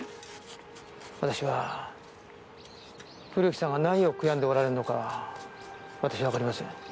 私は古木さんは何を悔やんでおられるのか私にはわかりません。